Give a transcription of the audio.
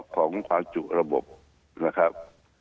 ของความจุระบบนะครับ